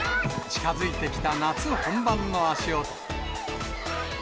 近づいてきた夏本番の足音。